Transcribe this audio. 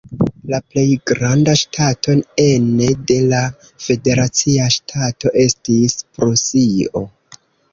La plej granda ŝtato ene de la federacia ŝtato estis Prusio.